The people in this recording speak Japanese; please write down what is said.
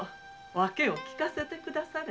訳を聞かせてくだされ。